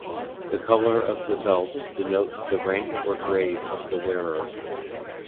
The colour of the belt denotes the rank or grade of the wearer.